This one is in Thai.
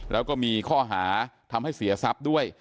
แล้วก็มีข้อหาทำให้เสียทรัพย์ด้วย